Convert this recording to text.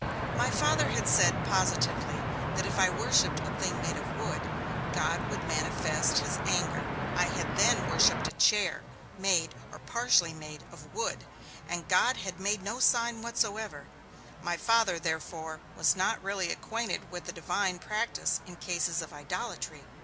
My Father had said, positively, that if I worshipped a thing made of wood, God would manifest his anger. I had then worshipped a chair, made (or partly made) of wood, and God had made no sign whatever. My Father, therefore, was not really acquainted with the Divine practice in cases of idolatry.